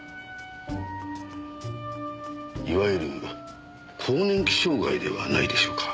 いわゆる更年期障害ではないでしょうか。